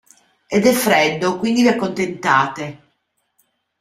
Ed è freddo, quindi vi accontentate.